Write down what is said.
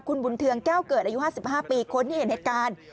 คุณบุญเทืองแก้วเกิดอายุ๕๕ปีคนที่เห็นเหตุการณ์